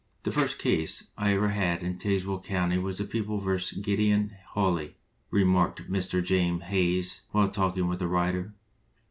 "The first case I ever had in Tazewell County was the People v. Gideon Hawley," remarked Mr. James Haines 1 while talking with the writer.